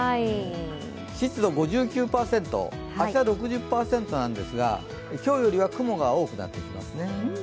湿度５９％、明日６０％なんですが今日よりは雲が多くなっていきますね。